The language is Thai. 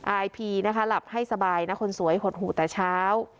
อายพีนะคะหลับให้สบายนะคนสวยหดหู่แต่เช้า